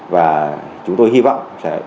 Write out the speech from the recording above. và chúng tôi hy vọng